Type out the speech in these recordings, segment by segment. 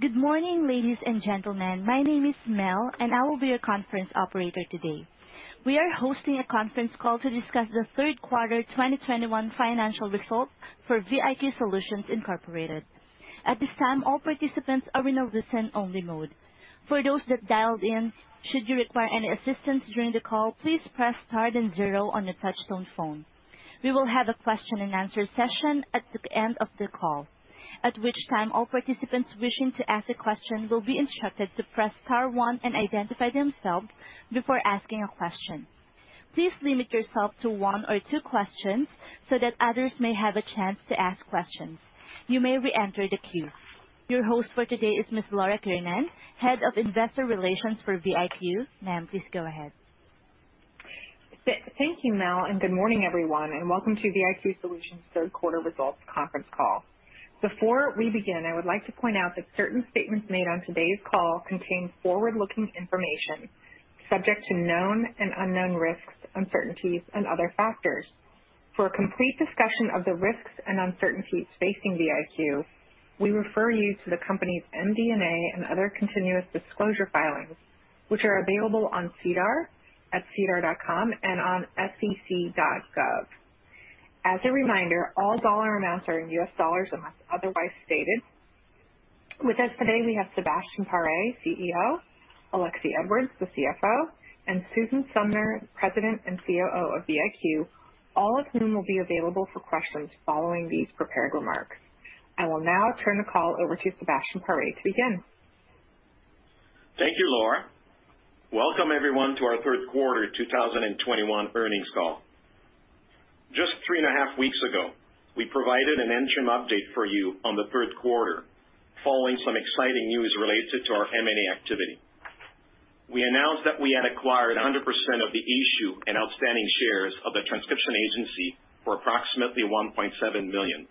Good morning, ladies and gentlemen. My name is Mel, and I will be your conference operator today. We are hosting a conference call to discuss the Q3 2021 financial results for VIQ Solutions Inc. At this time, all participants are in a listen-only mode. For those that dialed in, should you require any assistance during the call, please press Star then zero on your touchtone phone. We will have a question and answer session at the end of the call, at which time all participants wishing to ask a question will be instructed to press Star one and identify themselves before asking a question. Please limit yourself to one or two questions so that others may have a chance to ask questions. You may reenter the queue. Your host for today is Ms. Laura Kiernan, Head of Investor Relations for VIQ. Ma'am, please go ahead. Thank you, Mel, and good morning, everyone, and welcome to VIQ Solutions' Q3 results conference call. Before we begin, I would like to point out that certain statements made on today's call contain forward-looking information subject to known and unknown risks, uncertainties and other factors. For a complete discussion of the risks and uncertainties facing VIQ, we refer you to the company's MD&A and other continuous disclosure filings, which are available on SEDAR at sedar.com and on sec.gov. As a reminder, all dollar amounts are in US dollars unless otherwise stated. With us today, we have Sébastien Paré, CEO, Alexie Edwards, the CFO, and Susan Sumner, President and COO of VIQ, all of whom will be available for questions following these prepared remarks. I will now turn the call over to Sébastien Paré to begin. Thank you, Laura. Welcome, everyone, to our Q3 2021 earnings call. Just 3.5 weeks ago, we provided an interim update for you on the Q3 following some exciting news related to our M&A activity. We announced that we had acquired 100% of the issued and outstanding shares of The Transcription Agency for approximately $1.7 million.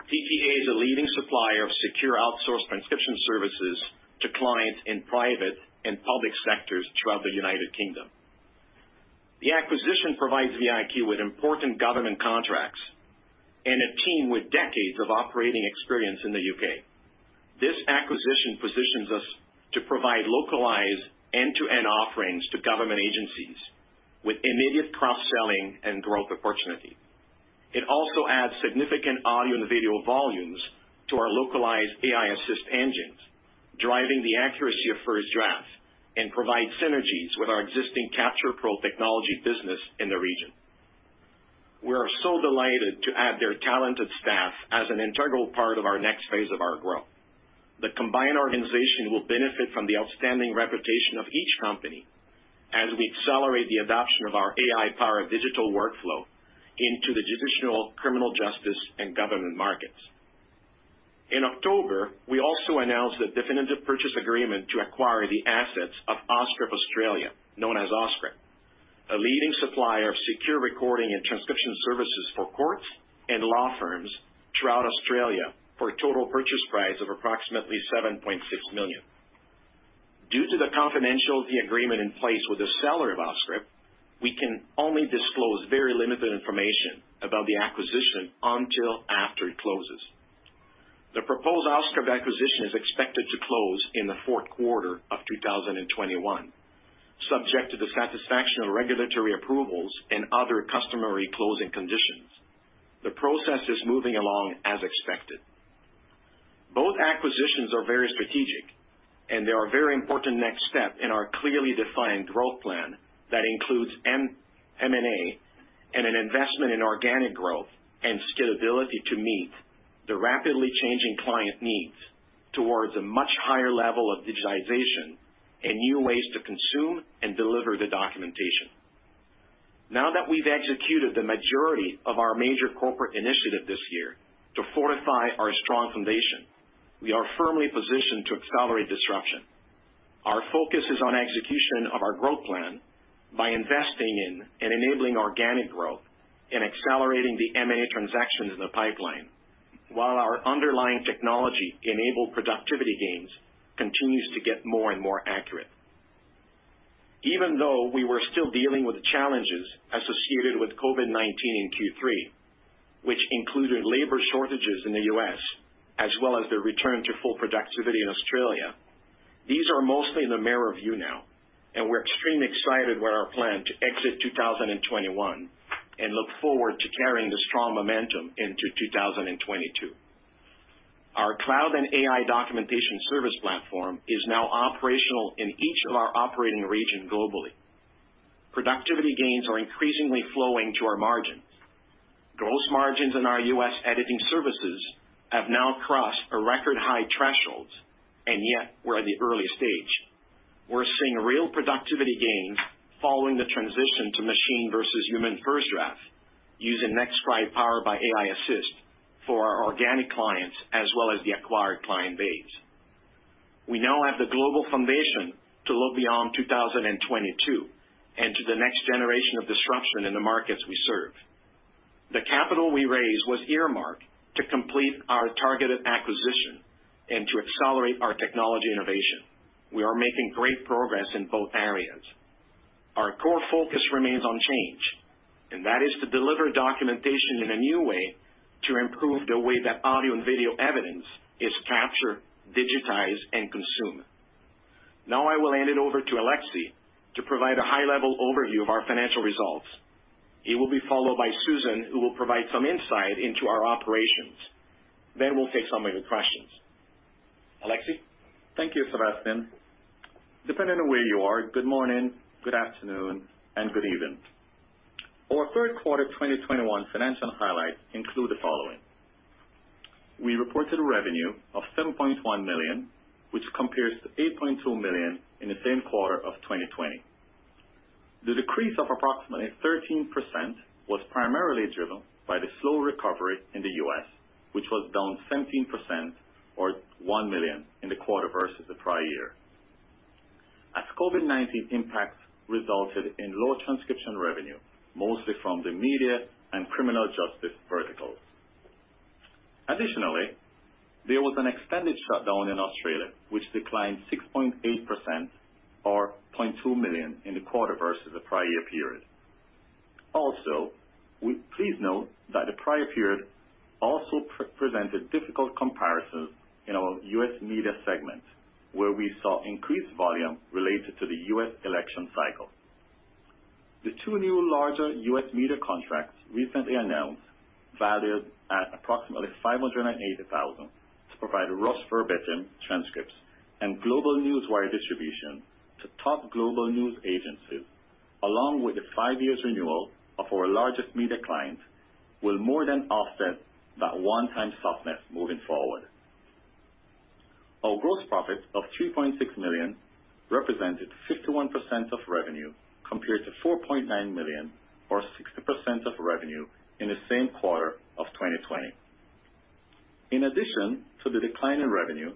TTA is a leading supplier of secure outsourced transcription services to clients in private and public sectors throughout the United Kingdom. The acquisition provides VIQ with important government contracts and a team with decades of operating experience in the UK. This acquisition positions us to provide localized end-to-end offerings to government agencies with immediate cross-selling and growth opportunity. It also adds significant audio and video volumes to our localized aiAssist engines, driving the accuracy of FirstDraft, and provides synergies with our existing CapturePro technology business in the region. We are so delighted to add their talented staff as an integral part of our next phase of our growth. The combined organization will benefit from the outstanding reputation of each company as we accelerate the adoption of our AI-powered digital workflow into the judicial, criminal justice, and government markets. In October, we also announced a definitive purchase agreement to acquire the assets of Auscript Australasia, known as Auscript, a leading supplier of secure recording and transcription services for courts and law firms throughout Australia for a total purchase price of approximately 7.6 million. Due to the confidentiality agreement in place with the seller of Auscript, we can only disclose very limited information about the acquisition until after it closes. The proposed Auscript acquisition is expected to close in the Q4 of 2021, subject to the satisfaction of regulatory approvals and other customary closing conditions. The process is moving along as expected. Both acquisitions are very strategic, and they are a very important next step in our clearly defined growth plan that includes M&A and an investment in organic growth and scalability to meet the rapidly changing client needs towards a much higher level of digitization and new ways to consume and deliver the documentation. Now that we've executed the majority of our major corporate initiative this year to fortify our strong foundation, we are firmly positioned to accelerate disruption. Our focus is on execution of our growth plan by investing in and enabling organic growth and accelerating the M&A transactions in the pipeline, while our underlying technology-enabled productivity gains continues to get more and more accurate. Even though we were still dealing with challenges associated with COVID-19 in Q3, which included labor shortages in the U.S. as well as the return to full productivity in Australia, these are mostly in the rearview mirror now, and we're extremely excited with our plan to exit 2021 and look forward to carrying the strong momentum into 2022. Our cloud and AI documentation service platform is now operational in each of our operating region globally. Productivity gains are increasingly flowing to our margins. Gross margins in our U.S. editing services have now crossed a record high threshold, and yet we're at the early stage. We're seeing real productivity gains following the transition to machine versus human first draft using NetScribe powered by aiAssist for our organic clients as well as the acquired client base. We now have the global foundation to look beyond 2022 and to the next generation of disruption in the markets we serve. The capital we raised was earmarked to complete our targeted acquisition and to accelerate our technology innovation. We are making great progress in both areas. Our core focus remains on change, and that is to deliver documentation in a new way to improve the way that audio and video evidence is captured, digitized, and consumed. Now, I will hand it over to Alexie to provide a high-level overview of our financial results. He will be followed by Susan, who will provide some insight into our operations. Then we'll take some of your questions. Alexie? Thank you, Sébastien. Depending on where you are, good morning, good afternoon, and good evening. Our Q3 2021 financial highlights include the following. We reported revenue of 7.1 million, which compares to 8.2 million in the same quarter of 2020. The decrease of approximately 13% was primarily driven by the slow recovery in the U.S., which was down 17% or 1 million in the quarter versus the prior year. As COVID-19 impacts resulted in lower transcription revenue, mostly from the media and criminal justice verticals. Additionally, there was an extended shutdown in Australia, which declined 6.8% or 0.2 million in the quarter versus the prior year period. Please note that the prior period also presented difficult comparisons in our U.S. Media segment, where we saw increased volume related to the U.S. election cycle. The two new larger U.S. media contracts recently announced, valued at approximately 580 thousand to provide rough verbatim transcripts and global newswire distribution to top global news agencies, along with the five-year renewal of our largest media client, will more than offset that one-time softness moving forward. Our gross profit of 3.6 million represented 51% of revenue compared to 4.9 million or 60% of revenue in the same quarter of 2020. In addition to the decline in revenue,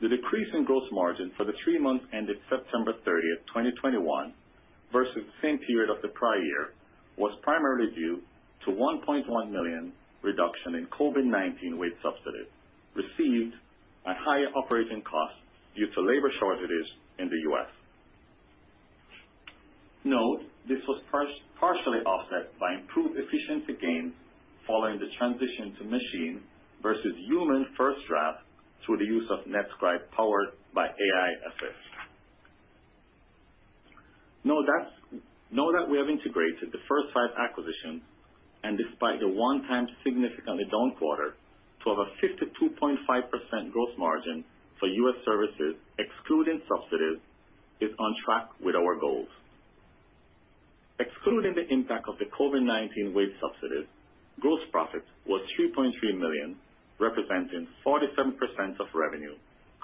the decrease in gross margin for the three months ended September 30, 2021 versus the same period of the prior year was primarily due to 1.1 million reduction in COVID-19 wage subsidies received at higher operating costs due to labor shortages in the U.S. Note that this was partially offset by improved efficiency gains following the transition to machine versus human FirstDraft through the use of NetScribe powered by aiAssist. Now that we have integrated the first five acquisitions, despite the one-time significantly down quarter to have a 52.5% gross margin for US services, excluding subsidies, is on track with our goals. Excluding the impact of the COVID-19 wage subsidies, gross profit was $3.3 million, representing 47% of revenue,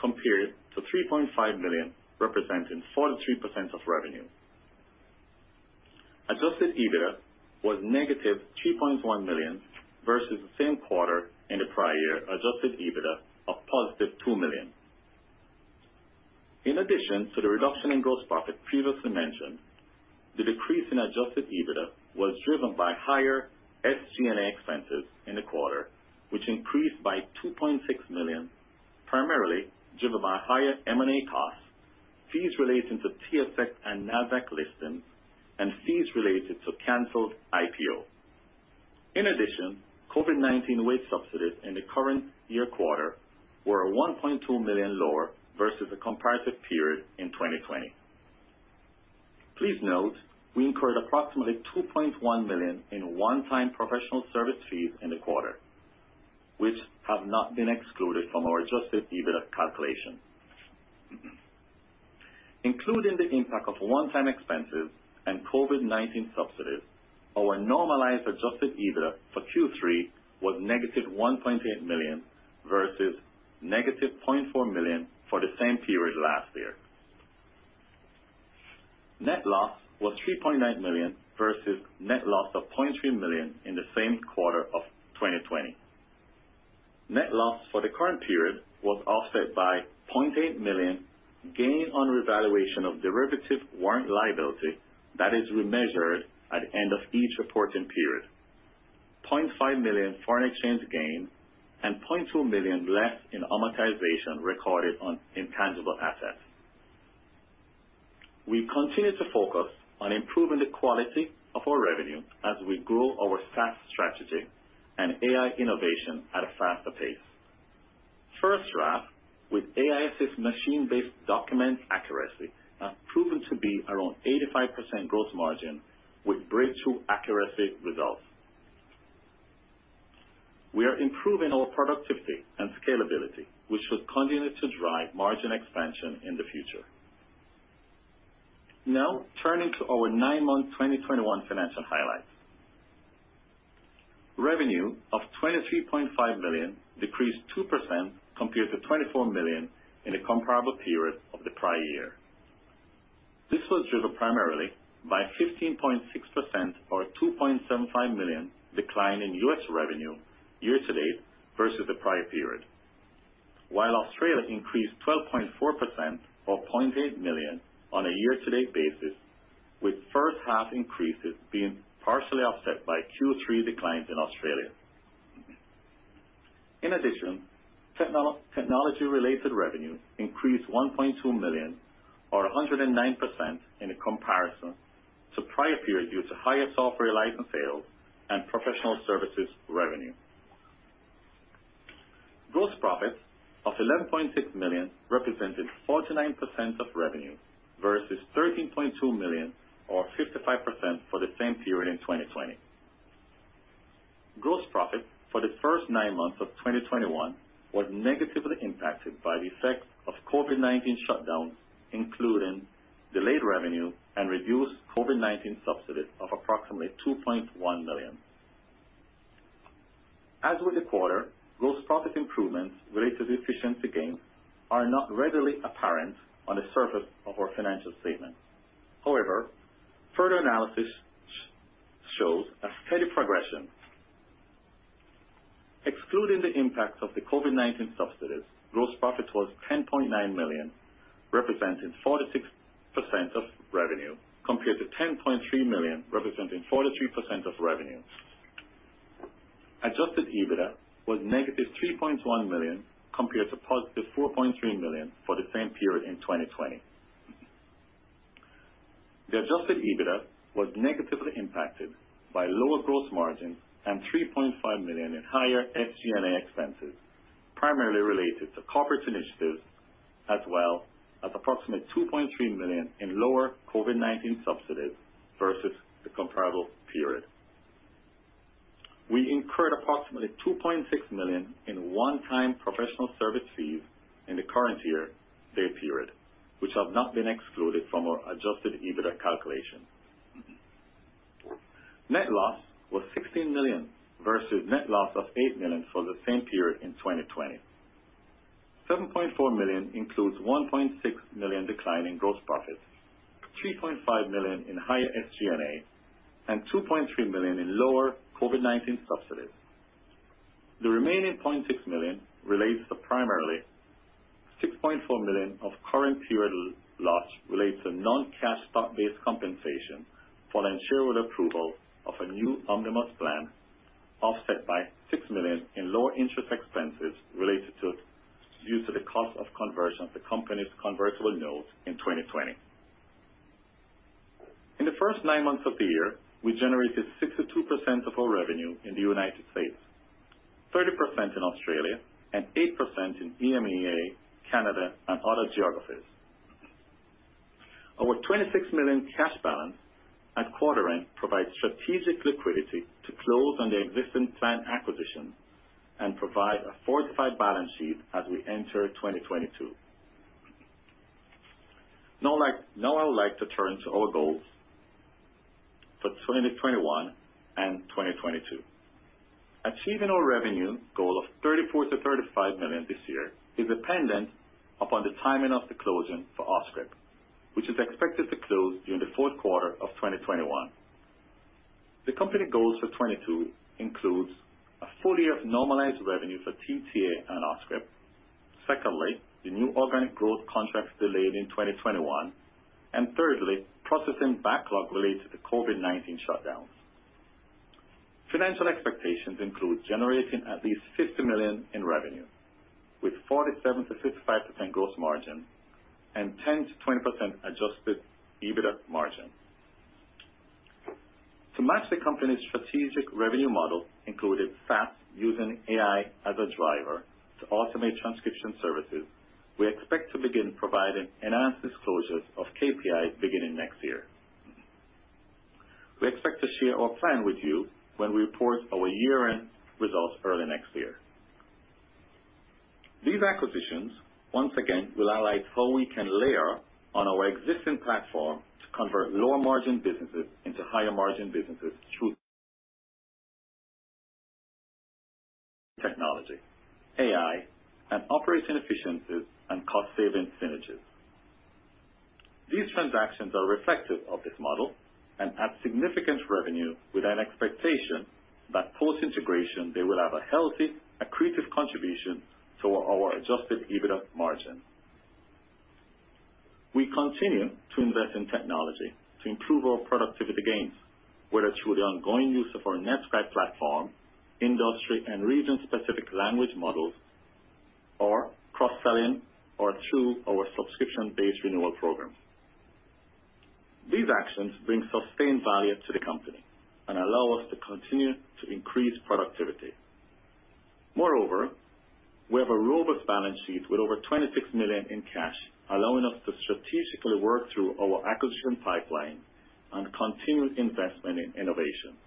compared to $3.5 million, representing 43% of revenue. Adjusted EBITDA was -$3.1 million versus the same quarter in the prior year, adjusted EBITDA of $2 million. In addition to the reduction in gross profit previously mentioned, the decrease in adjusted EBITDA was driven by higher SG&A expenses in the quarter, which increased by $2.6 million, primarily driven by higher M&A costs, fees relating to TSX and NASDAQ listings, and fees related to canceled IPO. In addition, COVID-19 wage subsidies in the current year quarter were $1.2 million lower versus the comparative period in 2020. Please note, we incurred approximately $2.1 million in one-time professional service fees in the quarter, which have not been excluded from our adjusted EBITDA calculation. Including the impact of one-time expenses and COVID-19 subsidies, our normalized adjusted EBITDA for Q3 was -$1.8 million versus -$0.4 million for the same period last year. Net loss was 3.9 million versus net loss of 0.3 million in the same quarter of 2020. Net loss for the current period was offset by 0.8 million gain on revaluation of derivative warrant liability that is remeasured at end of each reporting period, 0.5 million foreign exchange gain and 0.2 million less in amortization recorded on intangible assets. We continue to focus on improving the quality of our revenue as we grow our SaaS strategy and AI innovation at a faster pace. FirstDraft with aiAssist's machine-based document accuracy have proven to be around 85% gross margin with breakthrough accuracy results. We are improving our productivity and scalability, which will continue to drive margin expansion in the future. Now, turning to our nine-month 2021 financial highlights. Revenue of $23.5 million decreased 2% compared to $24 million in the comparable period of the prior year. This was driven primarily by 15.6% or $2.75 million decline in U.S. revenue year-to-date versus the prior period. While Australia increased 12.4% or $0.8 million on a year-to-date basis, with first-half increases being partially offset by Q3 declines in Australia. In addition, technology-related revenue increased $1.2 million or 109% in comparison to prior periods due to higher software license sales and professional services revenue. Gross profits of $11.6 million represented 49% of revenue versus $13.2 million or 55% for the same period in 2020. Gross profit for the first nine months of 2021 was negatively impacted by the effects of COVID-19 shutdowns, including delayed revenue and reduced COVID-19 subsidies of approximately $2.1 million. As with the quarter, gross profit improvements related to efficiency gains are not readily apparent on the surface of our financial statements. However, further analysis shows a steady progression. Excluding the impact of the COVID-19 subsidies, gross profit was $10.9 million, representing 46% of revenue, compared to $10.3 million, representing 43% of revenue. Adjusted EBITDA was -$3.1 million compared to $4.3 million for the same period in 2020. The adjusted EBITDA was negatively impacted by lower gross margin and $3.5 million in higher SG&A expenses, primarily related to corporate initiatives, as well as approximately $2.3 million in lower COVID-19 subsidies versus the comparable period. We incurred approximately $2.6 million in one-time professional service fees in the current year-to-date period, which have not been excluded from our adjusted EBITDA calculation. Net loss was $16 million versus net loss of $8 million for the same period in 2020. $7.4 million includes $1.6 million decline in gross profit, $3.5 million in higher SG&A, and $2.3 million in lower COVID-19 subsidies. The remaining $0.6 million relates to primarily $6.4 million of current period loss relates to non-cash stock-based compensation for the shareholder approval of a new omnibus plan, offset by $6 million in lower interest expenses related to use of the cost of conversion of the company's convertible notes in 2020. In the first nine months of the year, we generated 62% of our revenue in the United States, 30% in Australia, and 8% in EMEA, Canada, and other geographies. Our $26 million cash balance at quarter end provides strategic liquidity to close on the existing planned acquisitions and provide a fortified balance sheet as we enter 2022. Now like, now I would like to turn to our goals for 2021 and 2022. Achieving our revenue goal of 34 million-35 million this year is dependent upon the timing of the closing for Auscript, which is expected to close during the Q4 of 2021. The company goals for 2022 includes a full year of normalized revenue for TTA and Auscript. Secondly, the new organic growth contracts delayed in 2021. Thirdly, processing backlog related to the COVID-19 shutdowns. Financial expectations include generating at least 50 million in revenue with 47%-55% gross margin and 10%-20% adjusted EBITDA margin. To match the company's strategic revenue model included SaaS using AI as a driver to automate transcription services, we expect to begin providing enhanced disclosures of KPIs beginning next year. We expect to share our plan with you when we report our year-end results early next year. These acquisitions, once again, will highlight how we can layer on our existing platform to convert lower margin businesses into higher margin businesses through technology, AI and operation efficiencies and cost saving synergies. These transactions are reflective of this model and add significant revenue with an expectation that post-integration, they will have a healthy, accretive contribution to our adjusted EBITDA margin. We continue to invest in technology to improve our productivity gains, whether through the ongoing use of our NetScribe platform, industry and region-specific language models, or cross-selling or through our subscription-based renewal program. These actions bring sustained value to the company and allow us to continue to increase productivity. Moreover, we have a robust balance sheet with over $26 million in cash, allowing us to strategically work through our acquisition pipeline and continuous investment in innovation.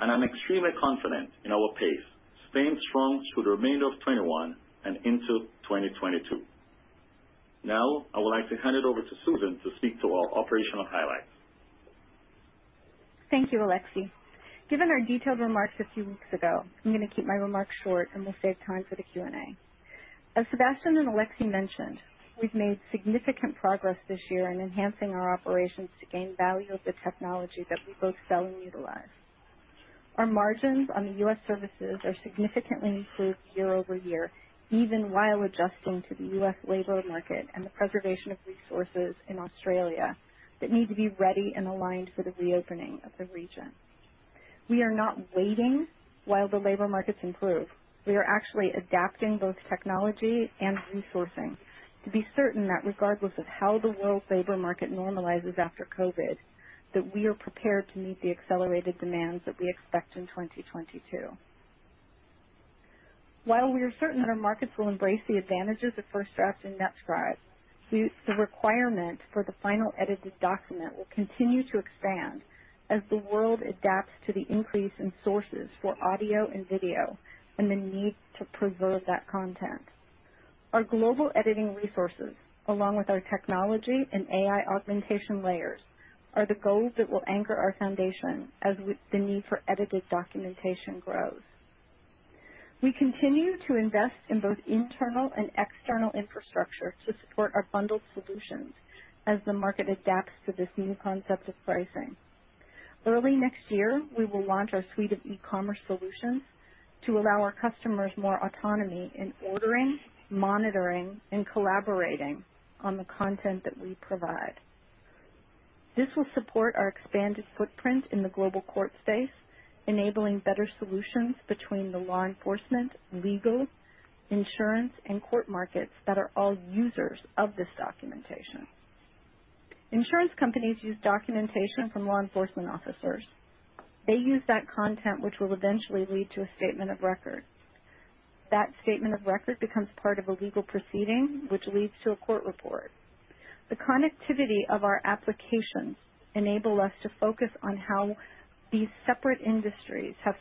I'm extremely confident in our pace staying strong through the remainder of 2021 and into 2022. Now, I would like to hand it over to Susan to speak to our operational highlights. Thank you, Alexie. Given our detailed remarks a few weeks ago, I'm gonna keep my remarks short, and we'll save time for the Q&A. As Sébastien and Alexie mentioned, we've made significant progress this year in enhancing our operations to gain value from the technology that we both sell and utilize. Our margins on the U.S. services are significantly improved year-over-year, even while adjusting to the U.S. labor market and the preservation of resources in Australia that need to be ready and aligned for the reopening of the region. We are not waiting while the labor markets improve. We are actually adapting both technology and resourcing to be certain that regardless of how the world's labor market normalizes after COVID, that we are prepared to meet the accelerated demands that we expect in 2022. While we are certain that our markets will embrace the advantages of FirstDraft and NetScribe, the requirement for the final edited document will continue to expand as the world adapts to the increase in sources for audio and video and the need to preserve that content. Our global editing resources, along with our technology and AI augmentation layers, are the goals that will anchor our foundation as the need for edited documentation grows. We continue to invest in both internal and external infrastructure to support our bundled solutions as the market adapts to this new concept of pricing. Early next year, we will launch our suite of e-commerce solutions to allow our customers more autonomy in ordering, monitoring, and collaborating on the content that we provide. This will support our expanded footprint in the global court space, enabling better solutions between the law enforcement, legal, insurance, and court markets that are all users of this documentation. Insurance companies use documentation from law enforcement officers. They use that content, which will eventually lead to a statement of record. That statement of record becomes part of a legal proceeding, which leads to a court report. The connectivity of our applications enable us to focus on how these separate industries have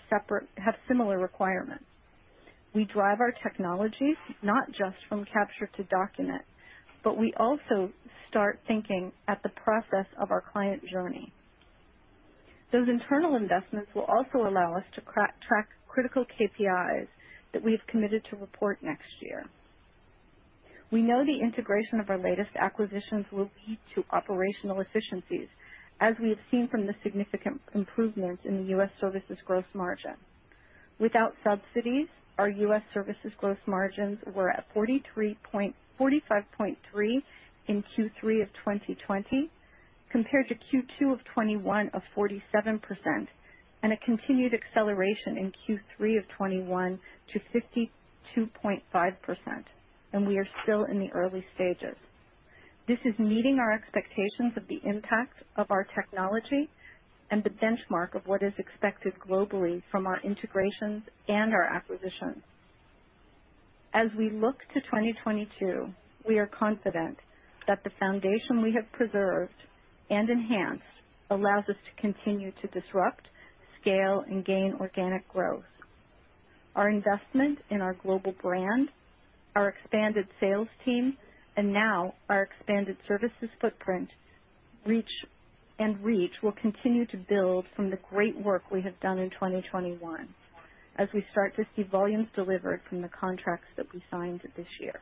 similar requirements. We drive our technologies not just from capture to document, but we also start thinking about the process of our client journey. Those internal investments will also allow us to track critical KPIs that we have committed to report next year. We know the integration of our latest acquisitions will lead to operational efficiencies, as we have seen from the significant improvements in the U.S. services gross margin. Without subsidies, our U.S. services gross margins were at 45.3% in Q3 of 2020, compared to Q2 of 2021 of 47%, and a continued acceleration in Q3 of 2021 to 52.5%, and we are still in the early stages. This is meeting our expectations of the impact of our technology and the benchmark of what is expected globally from our integrations and our acquisitions. As we look to 2022, we are confident that the foundation we have preserved and enhanced allows us to continue to disrupt, scale, and gain organic growth. Our investment in our global brand, our expanded sales team, and now our expanded services footprint reach will continue to build from the great work we have done in 2021 as we start to see volumes delivered from the contracts that we signed this year.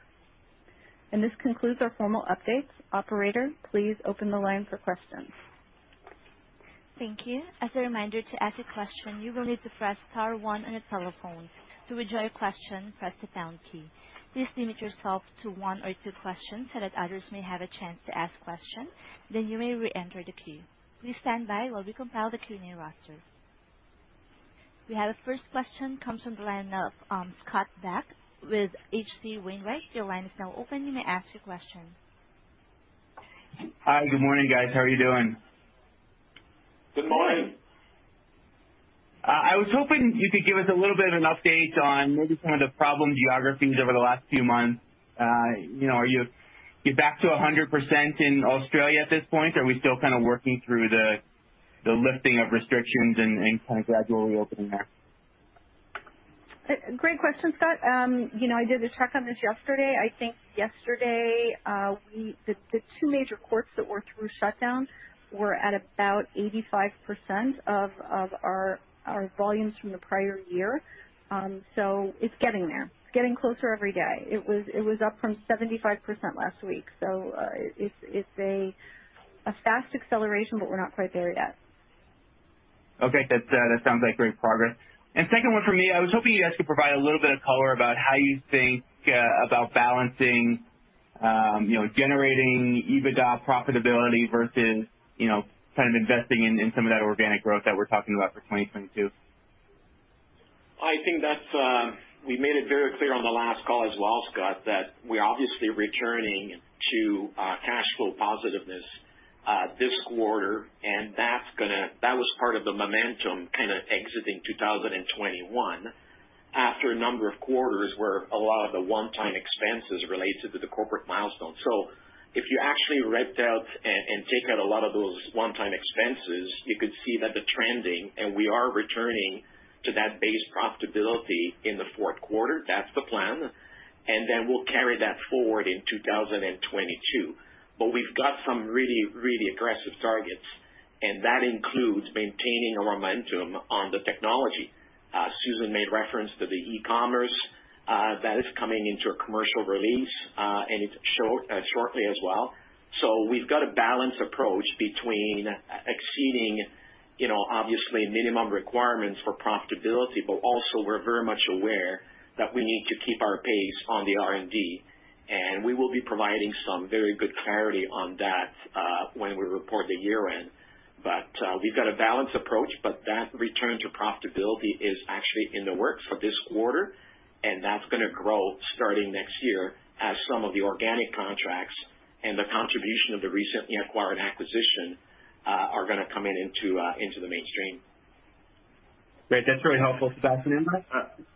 This concludes our formal updates. Operator, please open the line for questions. Thank you. As a reminder, to ask a question, you will need to press star one on your telephones. To withdraw your question, press the pound key. Please limit yourself to one or two questions so that others may have a chance to ask question, then you may reenter the queue. Please stand by while we compile the queue name roster. We have the first question comes from the line of, Scott Buck with H.C. Wainwright. Your line is now open. You may ask your question. Hi, good morning, guys. How are you doing? Good morning. I was hoping you could give us a little bit of an update on maybe some of the problem geographies over the last few months. You know, are you back to 100% in Australia at this point? Are we still kinda working through the lifting of restrictions and kind of gradually opening there? Great question, Scott. You know, I did a check on this yesterday. I think yesterday, the two major courts that were through shutdowns were at about 85% of our volumes from the prior year. It's getting there. It's getting closer every day. It was up from 75% last week. It's a fast acceleration, but we're not quite there yet. Okay. That sounds like great progress. Second one for me, I was hoping you guys could provide a little bit of color about how you think about balancing, you know, generating EBITDA profitability versus, you know, kind of investing in some of that organic growth that we're talking about for 2022. I think that's. We made it very clear on the last call as well, Scott, that we're obviously returning to cash flow positiveness this quarter, and that was part of the momentum kind of exiting 2021 after a number of quarters where a lot of the one-time expenses related to the corporate milestones. If you actually ripped out and take out a lot of those one-time expenses, you could see that the trending and we are returning to that base profitability in the Q4. That's the plan. Then we'll carry that forward in 2022. We've got some really aggressive targets, and that includes maintaining our momentum on the technology. Susan made reference to the e-commerce that is coming into a commercial release, and it's shortly as well. We've got a balanced approach between exceeding, you know, obviously minimum requirements for profitability, but also we're very much aware that we need to keep our pace on the R&D, and we will be providing some very good clarity on that, when we report the year-end. We've got a balanced approach, but that return to profitability is actually in the works for this quarter, and that's gonna grow starting next year as some of the organic contracts and the contribution of the recently acquired acquisition are gonna come into the mainstream. Great. That's really helpful, Sébastien.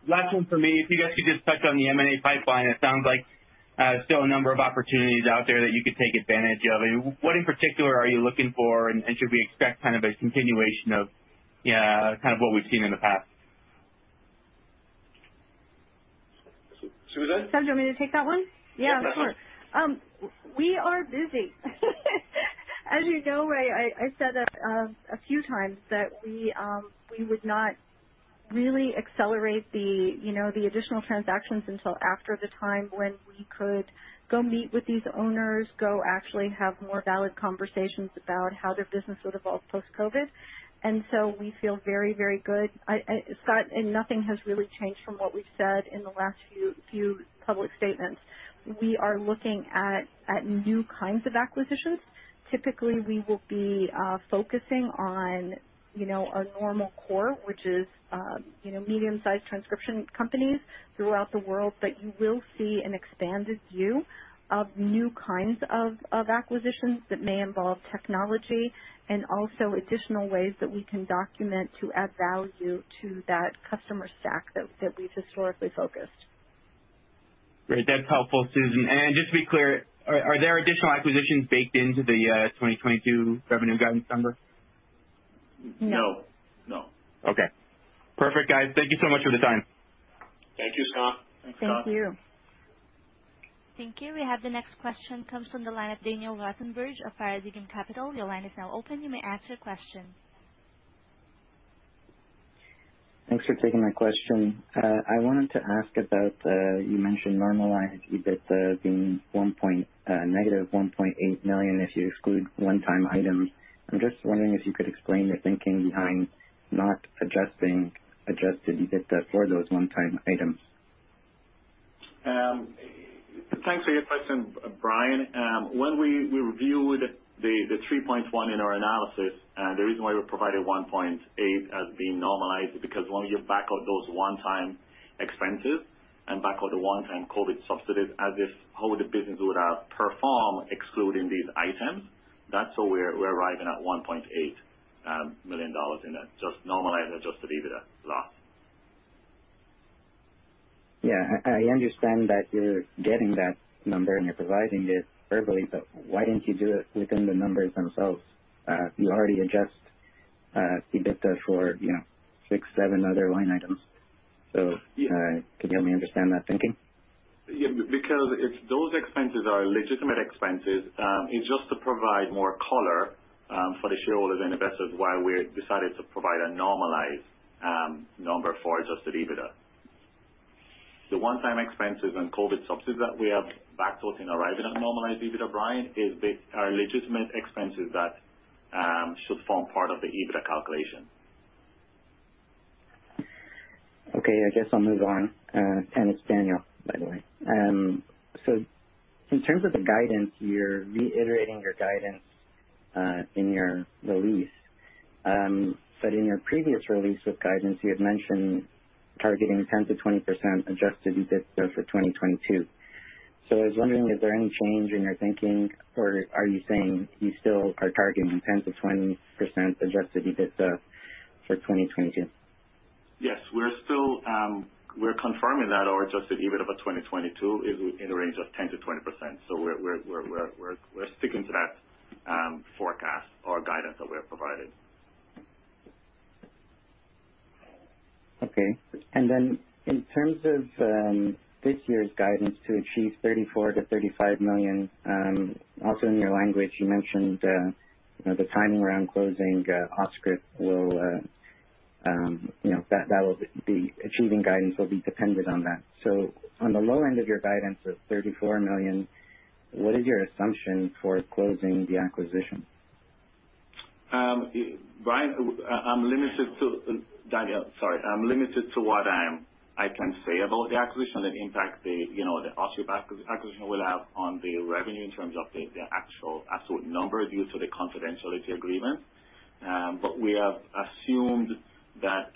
Last one from me. If you guys could just touch on the M&A pipeline. It sounds like still a number of opportunities out there that you could take advantage of. I mean, what in particular are you looking for, and should we expect kind of a continuation of kind of what we've seen in the past? Susan? Do you want me to take that one? Yeah, sure. We are busy. As you know, I said a few times that we would not really accelerate the, you know, the additional transactions until after the time when we could go meet with these owners, go actually have more valid conversations about how their business would evolve post-COVID. We feel very, very good. Scott, nothing has really changed from what we've said in the last few public statements. We are looking at new kinds of acquisitions. Typically, we will be focusing on, you know, our normal core, which is, you know, medium-sized transcription companies throughout the world. You will see an expanded view of new kinds of acquisitions that may involve technology and also additional ways that we can document to add value to that customer stack that we've historically focused. Great. That's helpful, Susan. Just to be clear, are there additional acquisitions baked into the 2022 revenue guidance number? No. Okay. Perfect, guys. Thank you so much for the time. Thank you, Scott. Thank you. Thank you. We have the next question comes from the line of Daniel Rosenberg of Paradigm Capital. Your line is now open. You may ask your question. Thanks for taking my question. I wanted to ask about you mentioned normalized EBITDA being negative $1.8 million if you exclude one-time items. I'm just wondering if you could explain your thinking behind not adjusting adjusted EBITDA for those one-time items. Thanks for your question, Brian. When we reviewed the 3.1 in our analysis, the reason why we provided 1.8 as being normalized is because when you back out those one-time expenses and back out the one-time COVID subsidies as if how would the business perform excluding these items, that's where we're arriving at $1.8 million in a just normalized, adjusted EBITDA loss. Yeah. I understand that you're getting that number and you're providing it verbally, but why didn't you do it within the numbers themselves? You already adjust EBITDA for, you know, six, seven other line items. So Could you help me understand that thinking? Those expenses are legitimate expenses. It's just to provide more color for the shareholders and investors why we decided to provide a normalized number for adjusted EBITDA. The one-time expenses and COVID subsidies that we have backed out in arriving at normalized EBITDA, Brian, are legitimate expenses that should form part of the EBITDA calculation. Okay. I guess I'll move on. It's Daniel, by the way. In terms of the guidance, you're reiterating your guidance in your release. In your previous release with guidance, you had mentioned targeting 10%-20% adjusted EBITDA for 2022. I was wondering, is there any change in your thinking or are you saying you still are targeting 10%-20% adjusted EBITDA for 2022? Yes, we're still confirming that our adjusted EBITDA for 2022 is in the range of 10%-20%. We're sticking to that forecast or guidance that we have provided. Okay. Then in terms of this year's guidance to achieve 34 million-35 million, also in your language you mentioned you know the timing around closing Auscript you know that achieving guidance will be dependent on that. On the low end of your guidance of 34 million, what is your assumption for closing the acquisition? Daniel, sorry. I'm limited to what I can say about the acquisition and the impact the Auscript acquisition will have on the revenue in terms of the actual absolute numbers due to the confidentiality agreement. We have assumed that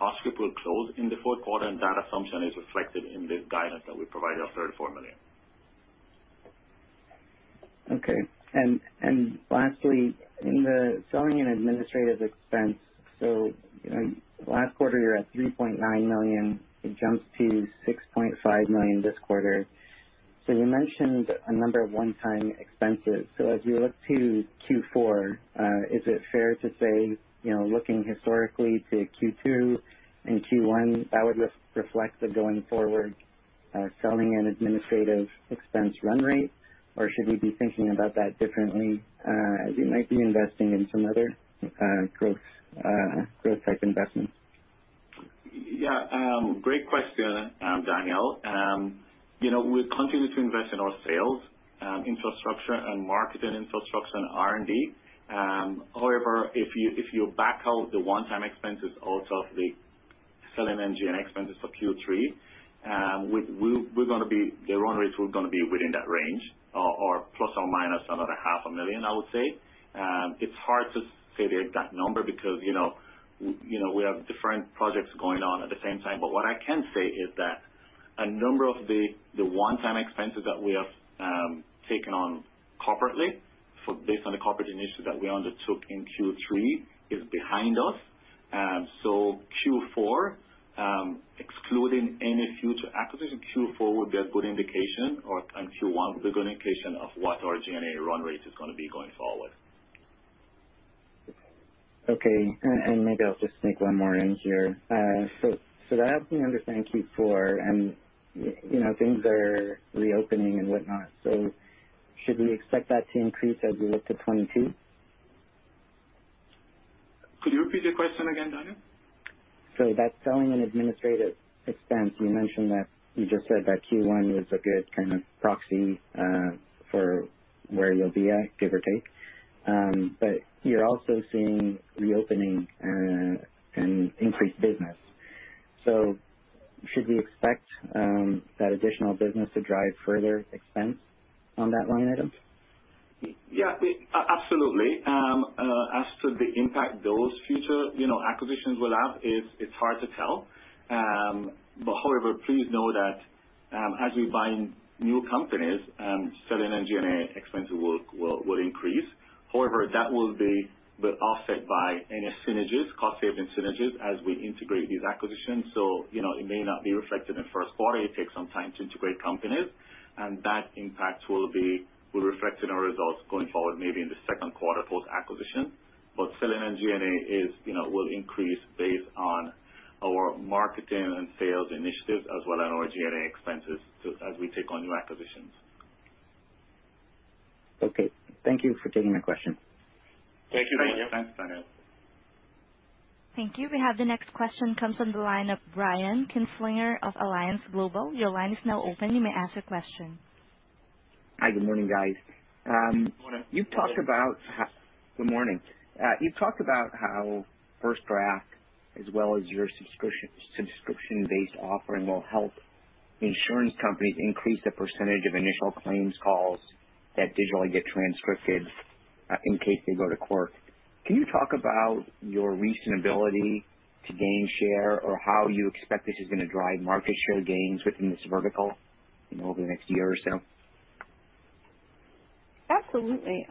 Auscript will close in the Q4, and that assumption is reflected in the guidance that we provided of 34 million. Okay. Lastly, in the selling and administrative expense, you know, last quarter you're at $3.9 million. It jumps to $6.5 million this quarter. You mentioned a number of one-time expenses. As you look to Q4, is it fair to say, you know, looking historically to Q2 and Q1, that would reflect the going forward selling and administrative expense run rate? Or should we be thinking about that differently, as you might be investing in some other growth type investments? Yeah. Great question, Daniel. You know, we'll continue to invest in our sales infrastructure and marketing infrastructure and R&D. However, if you back out the one-time expenses out of the selling SG&A expenses for Q3, the run rates were gonna be within that range or plus or minus another CAD half a million, I would say. It's hard to say the exact number because, you know, we have different projects going on at the same time. What I can say is that a number of the one-time expenses that we have taken on corporately based on the corporate initiatives that we undertook in Q3 is behind us. Q4 excluding any future acquisition would be a good indication, and Q1 will be a good indication of what our G&A run rate is gonna be going forward. Okay. Maybe I'll just sneak one more in here. That's been under. Thank you for, you know, things are reopening and whatnot. Should we expect that to increase as we look to 2022? Could you repeat the question again, Daniel? That selling and administrative expense, you mentioned that you just said that Q1 was a good kind of proxy for where you'll be at, give or take. You're also seeing reopening and increased business. Should we expect that additional business to drive further expense on that line item? Yeah, absolutely. As to the impact those future, you know, acquisitions will have is it's hard to tell. However, please know that, as we buy new companies and selling SG&A expense will increase. However, that will be offset by any synergies, cost saving synergies, as we integrate these acquisitions. You know, it may not be reflected in Q1. It takes some time to integrate companies, and that impact will reflect in our results going forward maybe in the Q2 for acquisition. Selling SG&A, you know, will increase based on our marketing and sales initiatives as well as our G&A expenses as we take on new acquisitions. Okay. Thank you for taking my question. Thank you, Daniel. Thank you. We have the next question comes from the line of Brian Kinstlinger of Alliance Global. Your line is now open. You may ask your question. Hi. Good morning, guys. Good morning. Good morning. You've talked about how FirstDraft, as well as your subscription-based offering will help insurance companies increase the percentage of initial claims calls that digitally get transcribed in case they go to court. Can you talk about your recent ability to gain share or how you expect this is gonna drive market share gains within this vertical, you know, over the next year or so? Absolutely.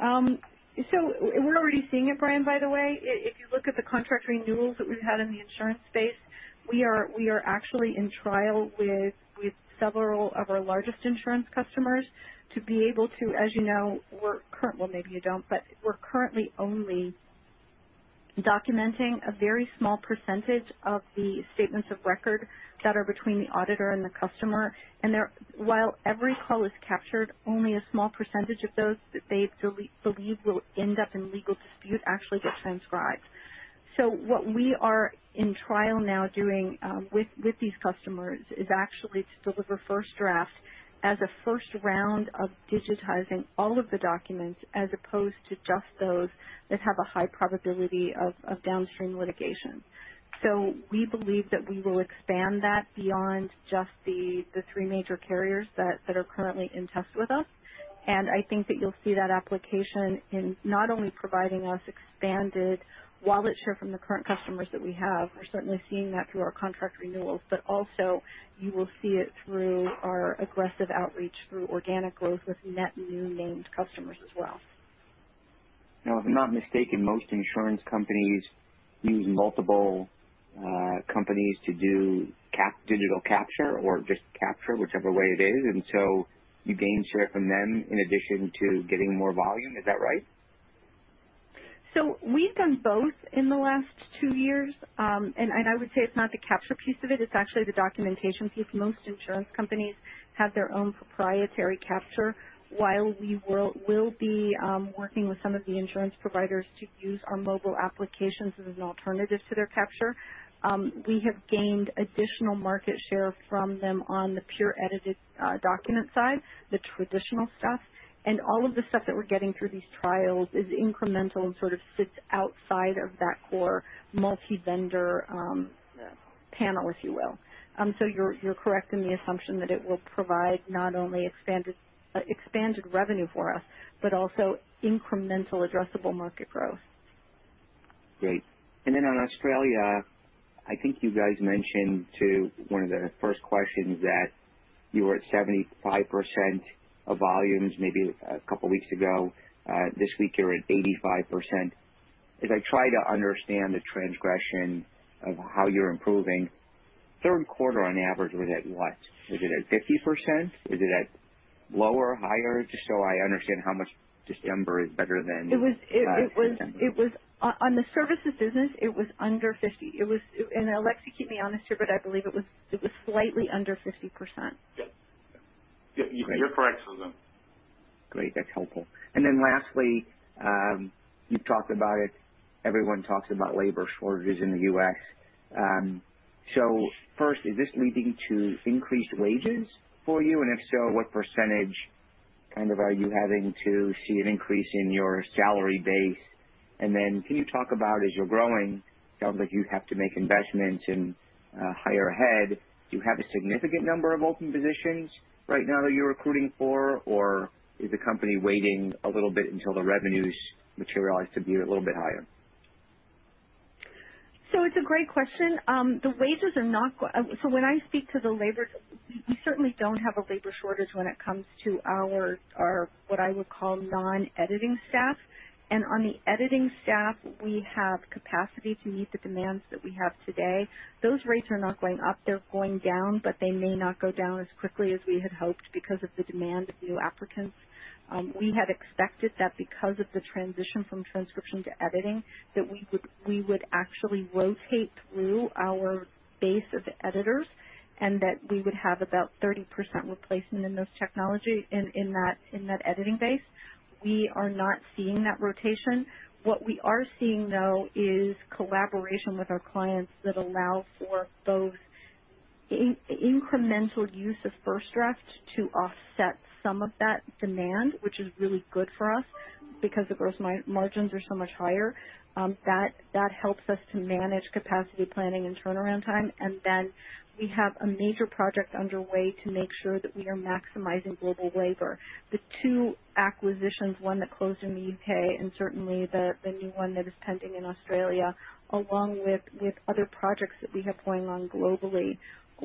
So we're already seeing it, Brian, by the way. If you look at the contract renewals that we've had in the insurance space, we are actually in trial with several of our largest insurance customers to be able to, as you know. Well, maybe you don't, but we're currently only documenting a very small percentage of the statements of record that are between the auditor and the customer. While every call is captured, only a small percentage of those that they believe will end up in legal dispute actually get transcribed. What we are in trial now doing with these customers is actually to deliver FirstDraft as a first round of digitizing all of the documents as opposed to just those that have a high probability of downstream litigation. We believe that we will expand that beyond just the three major carriers that are currently in test with us. I think that you'll see that application in not only providing us expanded wallet share from the current customers that we have. We're certainly seeing that through our contract renewals, but also you will see it through our aggressive outreach through organic growth with net new named customers as well. Now, if I'm not mistaken, most insurance companies use multiple companies to do digital capture or just capture whichever way it is. You gain share from them in addition to getting more volume. Is that right? We've done both in the last two years. I would say it's not the capture piece of it's actually the documentation piece. Most insurance companies have their own proprietary capture. While we will be working with some of the insurance providers to use our mobile applications as an alternative to their capture, we have gained additional market share from them on the pure edited document side, the traditional stuff. All of the stuff that we're getting through these trials is incremental and sort of sits outside of that core multi-vendor panel, if you will. You're correct in the assumption that it will provide not only expanded revenue for us, but also incremental addressable market growth. Great. On Australia, I think you guys mentioned to one of the first questions that you were at 75% of volumes maybe a couple of weeks ago. This week you're at 85%. As I try to understand the progression of how you're improving, Q3 on average was at what? Is it at 50%? Is it at lower or higher? Just so I understand how much just Ember is better than It was on the services business, it was under 50. Alexie could keep me honest here, but I believe it was slightly under 50%. You're correct on them. Great. That's helpful. Lastly, you talked about it, everyone talks about labor shortages in the U.S. First, is this leading to increased wages for you? If so, what percentage kind of are you having to see an increase in your salary base? Can you talk about, as you're growing, it sounds like you have to make investments and hire ahead? Do you have a significant number of open positions right now that you're recruiting for? Is the company waiting a little bit until the revenues materialize to be a little bit higher? It's a great question. The wages are not. When I speak to the labor, we certainly don't have a labor shortage when it comes to our what I would call non-editing staff. On the editing staff, we have capacity to meet the demands that we have today. Those rates are not going up, they're going down, but they may not go down as quickly as we had hoped because of the demand of new applicants. We had expected that because of the transition from transcription to editing, that we would actually rotate through our base of editors and that we would have about 30% replacement in this technology in that editing base. We are not seeing that rotation. What we are seeing, though, is collaboration with our clients that allow for both incremental use of FirstDraft to offset some of that demand, which is really good for us because the gross margins are so much higher. That helps us to manage capacity planning and turnaround time. We have a major project underway to make sure that we are maximizing global labor. The two acquisitions, one that closed in the U.K. and certainly the new one that is pending in Australia, along with other projects that we have going on globally,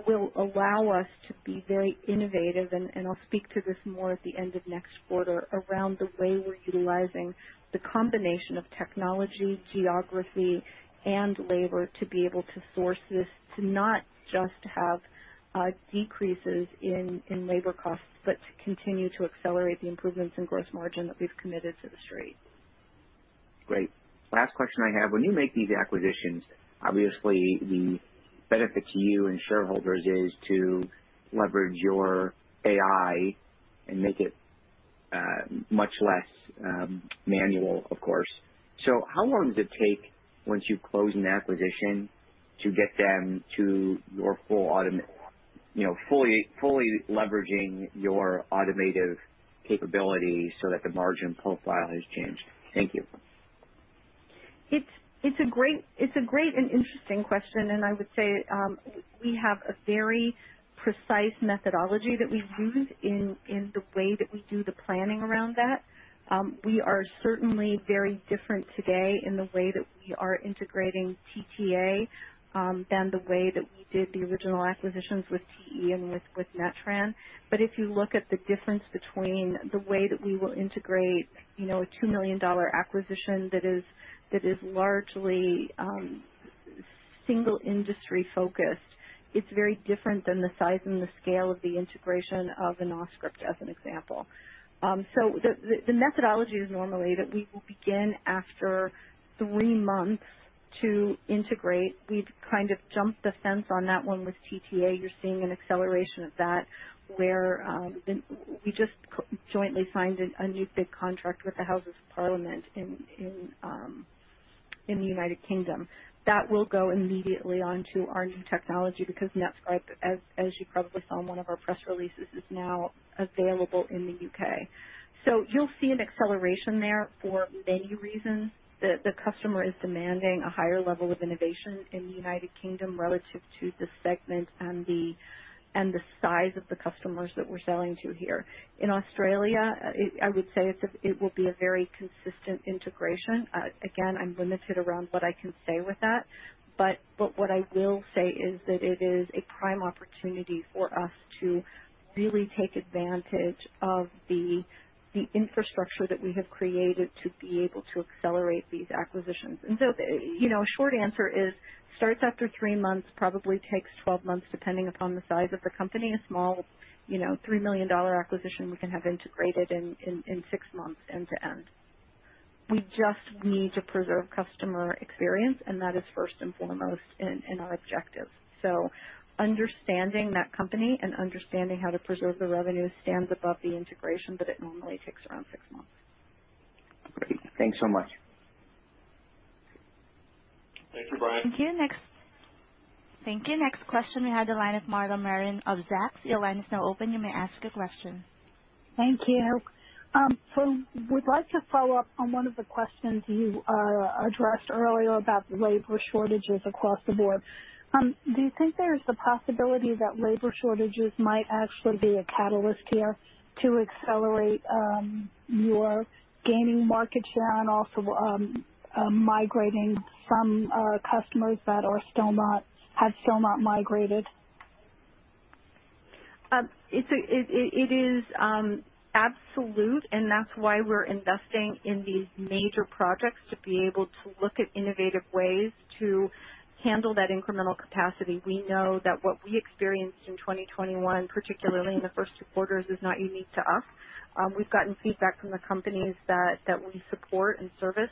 will allow us to be very innovative, and I'll speak to this more at the end of next quarter around the way we're utilizing the combination of technology, geography, and labor to be able to source this, to not just have decreases in labor costs, but to continue to accelerate the improvements in gross margin that we've committed to The Street. Great. Last question I have. When you make these acquisitions, obviously the benefit to you and shareholders is to leverage your AI and make it much less manual, of course. How long does it take once you close an acquisition to get them to your full automated capabilities so that the margin profile has changed? Thank you. It's a great and interesting question, and I would say we have a very precise methodology that we use in the way that we do the planning around that. We are certainly very different today in the way that we are integrating TTA than the way that we did the original acquisitions with TE and with Net Transcripts. If you look at the difference between the way that we will integrate you know a $2 million acquisition that is largely single industry-focused, it's very different than the size and the scale of the integration of the NetScribe, as an example. The methodology is normally that we will begin after three months to integrate. We've kind of jumped the fence on that one with TTA. You're seeing an acceleration of that where in-- We just jointly signed a new big contract with the Houses of Parliament in the United Kingdom. That will go immediately onto our new technology because NetScribe, as you probably saw in one of our press releases, is now available in the U.K. You'll see an acceleration there for many reasons. The customer is demanding a higher level of innovation in the United Kingdom relative to the segment and the size of the customers that we're selling to here. In Australia, it will be a very consistent integration. Again, I'm limited around what I can say with that, but what I will say is that it is a prime opportunity for us to really take advantage of the infrastructure that we have created to be able to accelerate these acquisitions. You know, short answer is starts after 3 months, probably takes 12 months, depending upon the size of the company. A small, you know, $3 million acquisition we can have integrated in 6 months end to end. We just need to preserve customer experience, and that is first and foremost in our objectives. Understanding that company and understanding how to preserve the revenue stands above the integration, but it normally takes around 6 months. Great. Thanks so much. Thank you, Brian. Thank you. Next. Thank you. Next question we have the line of Marla Marin of Zacks. Your line is now open. You may ask your question. Thank you. We'd like to follow up on one of the questions you addressed earlier about the labor shortages across the board. Do you think there's a possibility that labor shortages might actually be a catalyst here to accelerate your gaining market share and also migrating some customers that have still not migrated? It is absolute, and that's why we're investing in these major projects to be able to look at innovative ways to handle that incremental capacity. We know that what we experienced in 2021, particularly in the first two quarters, is not unique to us. We've gotten feedback from the companies that we support and service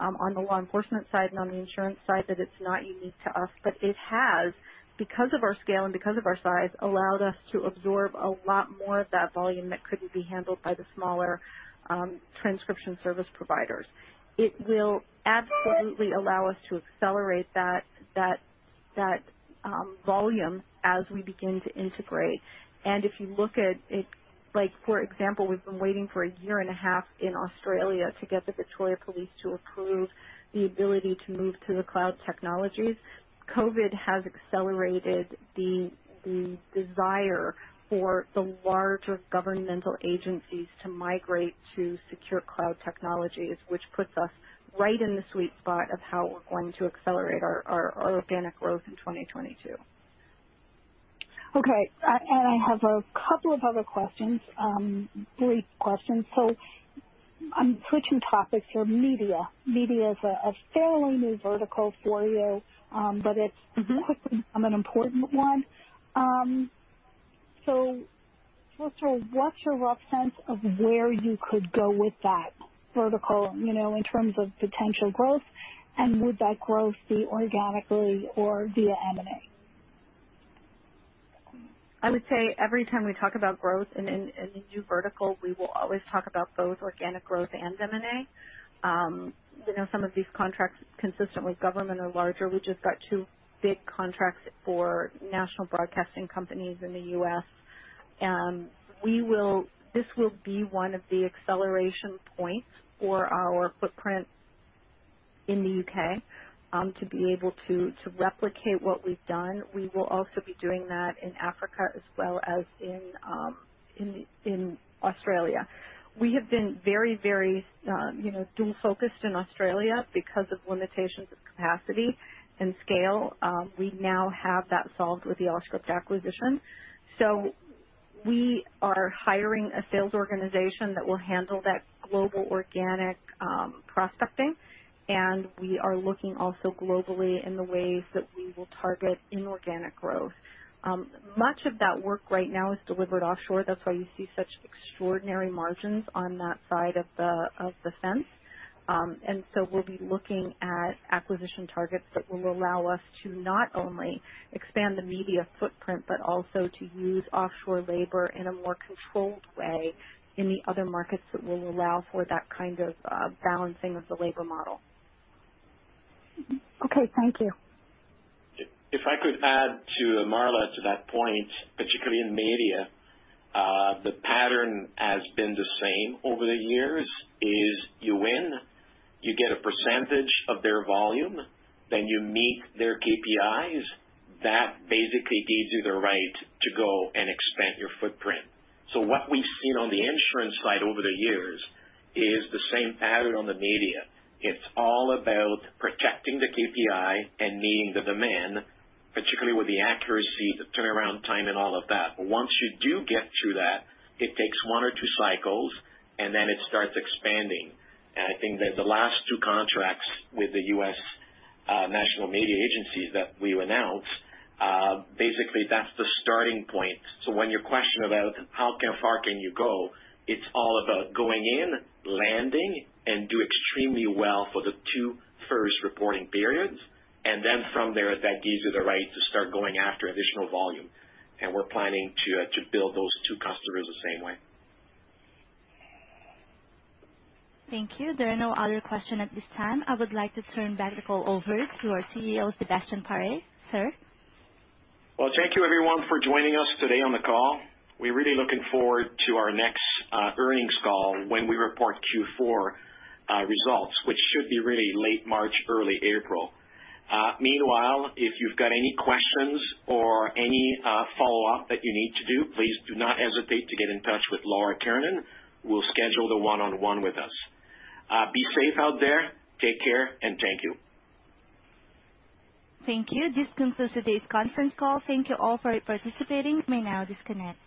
on the law enforcement side and on the insurance side, that it's not unique to us. It has, because of our scale and because of our size, allowed us to absorb a lot more of that volume that couldn't be handled by the smaller transcription service providers. It will absolutely allow us to accelerate that volume as we begin to integrate. If you look at it, like, for example, we've been waiting for a year and a half in Australia to get the Victoria Police to approve the ability to move to the cloud technologies. COVID has accelerated the desire for the larger governmental agencies to migrate to secure cloud technologies, which puts us right in the sweet spot of how we're going to accelerate our organic growth in 2022. Okay. I have a couple of other questions, brief questions. I'm switching topics to media. Media is a fairly new vertical for you, but it's quickly become an important one. First is what's your rough sense of where you could go with that vertical, you know, in terms of potential growth, and would that growth be organically or via M&A? I would say every time we talk about growth in a new vertical, we will always talk about both organic growth and M&A. You know, some of these contracts, consistent with government, are larger. We just got two big contracts for national broadcasting companies in the U.S. This will be one of the acceleration points for our footprint in the U.K., to be able to replicate what we've done. We will also be doing that in Africa as well as in Australia. We have been very dual-focused in Australia because of limitations of capacity and scale. We now have that solved with the Auscript acquisition. We are hiring a sales organization that will handle that global organic prospecting. We are looking also globally in the ways that we will target inorganic growth. Much of that work right now is delivered offshore. That's why you see such extraordinary margins on that side of the fence. We'll be looking at acquisition targets that will allow us to not only expand the media footprint, but also to use offshore labor in a more controlled way in the other markets that will allow for that kind of balancing of the labor model. Okay. Thank you. If I could add to Marla, to that point, particularly in media, the pattern has been the same over the years, is you win, you get a percentage of their volume, then you meet their KPIs. That basically gives you the right to go and expand your footprint. What we've seen on the insurance side over the years is the same pattern on the media. It's all about protecting the KPI and meeting the demand, particularly with the accuracy, the turnaround time, and all of that. Once you do get through that, it takes one or two cycles, and then it starts expanding. I think that the last two contracts with the U.S. national media agencies that we've announced basically that's the starting point. When your question about how far can you go, it's all about going in, landing, and do extremely well for the two first reporting periods. Then from there, that gives you the right to start going after additional volume. We're planning to build those two customers the same way. Thank you. There are no other questions at this time. I would like to turn the call back over to our CEO, Sébastien Paré. Sir? Well, thank you everyone for joining us today on the call. We're really looking forward to our next earnings call when we report Q4 results, which should be really late March, early April. Meanwhile, if you've got any questions or any follow-up that you need to do, please do not hesitate to get in touch with Laura Kiernan, who will schedule the one-on-one with us. Be safe out there, take care, and thank you. Thank you. This concludes today's conference call. Thank you all for participating. You may now disconnect.